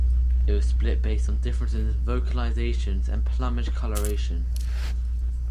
It was split based on differences in vocalizations and plumage coloration.